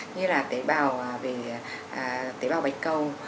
như là tế bào về tế bào bạch cầu